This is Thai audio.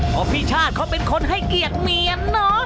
เพราะพี่ชาติเขาเป็นคนให้เกียรติเมียนเนอะ